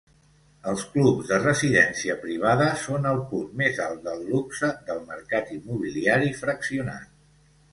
Els clubs de residència privada són el punt més alt del luxe del mercat immobiliari fraccionat.